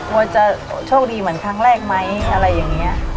ว่าจะโชคดีเหมือนครั้งแรกไหมอะไรอย่างนี้